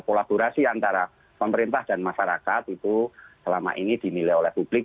kolaborasi antara pemerintah dan masyarakat itu selama ini dinilai oleh publik